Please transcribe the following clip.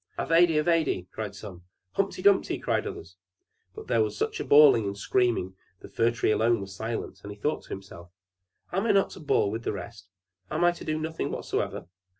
"Ivedy Avedy," cried some; "Humpy Dumpy," cried the others. There was such a bawling and screaming the Fir Tree alone was silent, and he thought to himself, "Am I not to bawl with the rest? Am I to do nothing whatever?"